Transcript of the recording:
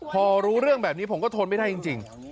พอรู้เรื่องแบบนี้ผมก็ทนไม่ได้จริง